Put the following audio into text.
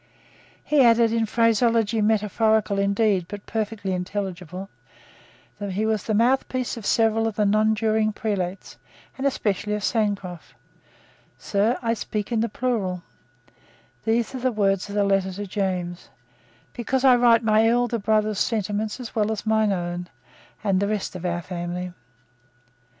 He added, in phraseology metaphorical indeed, but perfectly intelligible, that he was the mouthpiece of several of the nonjuring prelates, and especially of Sancroft. "Sir, I speak in the plural," these are the words of the letter to James, "because I write my elder brother's sentiments as well as my own, and the rest of our family."